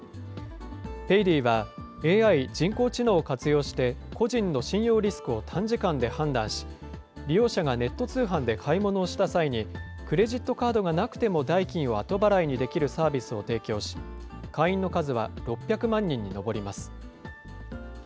ペイディは、ＡＩ・人工知能を活用して個人の信用リスクを短時間で判断し、利用者がネット通販で買い物をした際に、クレジットカードがなくても代金を後払いにできるサービスを提供し、会員の数は６００万人に上ります。